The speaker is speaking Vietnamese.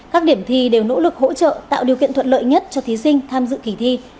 các điểm thi đều nỗ lực hỗ trợ tạo điều kiện thuận lợi nhất cho thí sinh tham dự kỳ thi